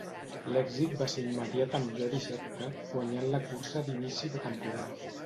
L'èxit va ser immediat amb Jody Scheckter guanyant la cursa d'inici de temporada.